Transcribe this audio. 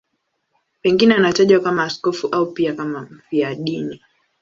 Pengine anatajwa kama askofu au pia kama mfiadini.